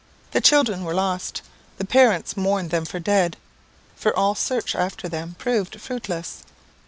The children were lost. The parents mourned them for dead, for all search after them proved fruitless.